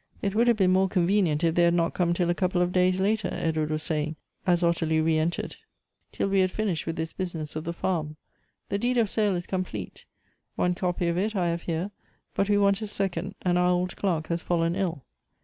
" It would have been more convenient if they had not come till a couple of days later," Edward was saying, as Ottilie re entered, "till we had finished with this business of the farm. The deed of sale is complete. One copy of it I have here, but we want a second, and our old clerk has fallen ill."